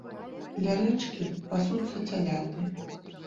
Ля рэчкі пасуцца цяляты.